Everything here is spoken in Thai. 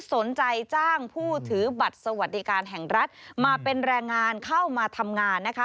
สนใจจ้างผู้ถือบัตรสวัสดิการแห่งรัฐมาเป็นแรงงานเข้ามาทำงานนะคะ